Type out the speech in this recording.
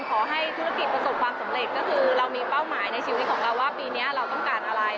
ขอให้ธุรกิจประสบความสำเร็จก็คือเรามีเป้าหมายในชีวิตของเราว่าปีนี้เราต้องการอะไร